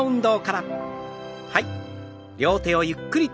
はい。